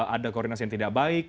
ada koordinasi yang tidak baik